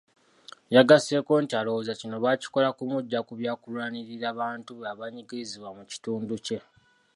Yagasseeko nti alowooza kino bakikola kumuggya ku byakulwanirira bantu be abanyigirizibwa mu kitundu kye.